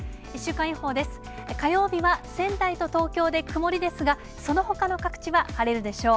火曜日は仙台と東京で曇りですが、そのほかの各地は晴れるでしょう。